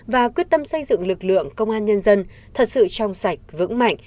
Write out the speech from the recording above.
và quyết tâm xây dựng lực lượng công an nhân dân thật sự trong sạch vững mạnh